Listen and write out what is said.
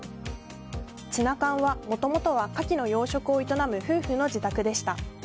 つなかんは、もともとはカキの養殖を営む夫婦の自宅でした。